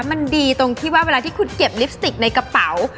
มันดีตรงที่ว่าเวลาที่คุณเก็บลิปสติกในกระเป๋า